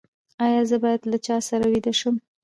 ایا زه باید له چا سره ویده شم؟